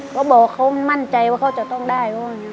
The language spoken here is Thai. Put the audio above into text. เขามั่นใจว่าเขาจะต้องได้